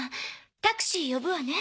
タクシー呼ぶわね。